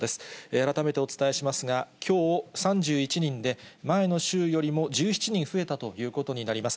改めてお伝えしますが、きょう３１人で、前の週よりも１７人増えたということになります。